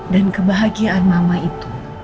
dan kebahagiaan mama itu